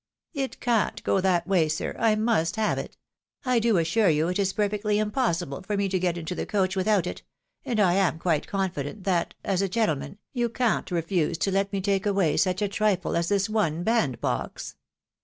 " It can't go that way, sir — ^I must have it. I do assure you it is perfectly impossible for me to get into the coach without it, and I am quite confident, that, as a gentleman, you can't refuse to let me taie away such a trifle as this one bandbox."